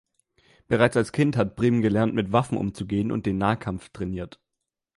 Bereits als Kind hat Briem gelernt mit Waffen umzugehen und den Nahkampf trainiert.